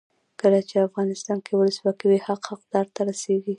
کله چې افغانستان کې ولسواکي وي حق حقدار ته رسیږي.